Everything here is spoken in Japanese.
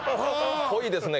濃いですね